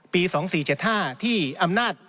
๒๔๗๕ที่อำนาจ